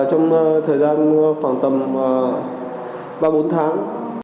trong thời gian khoảng tầm ba bốn tháng